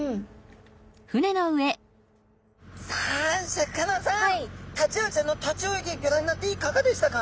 シャーク香音さまタチウオちゃんの立ち泳ぎギョ覧になっていかがでしたか？